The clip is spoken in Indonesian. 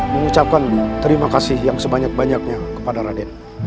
mengucapkan terima kasih yang sebanyak banyaknya kepada raden